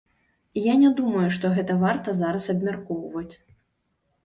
Я не думаю, што гэта варта зараз абмяркоўваць.